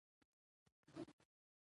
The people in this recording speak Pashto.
ولې خلک راټول شوي دي؟